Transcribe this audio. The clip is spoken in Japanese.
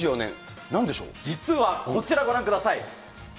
実はこちらご覧ください。